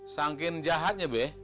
sangkin jahatnya be